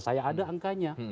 saya ada angkanya